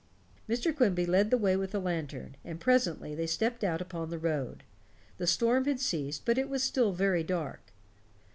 Mr. Quimby led the way with the lantern, and presently they stepped out upon the road. The storm had ceased, but it was still very dark.